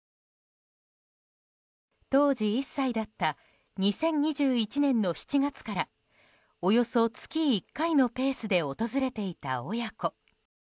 当時１歳だった２０２１年の７月からおよそ月１回のペースで訪れていた親子。